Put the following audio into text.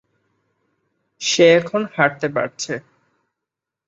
সে এখন হাঁটতে পারছে।